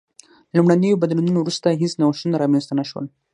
له لومړنیو بدلونونو وروسته هېڅ نوښتونه رامنځته نه شول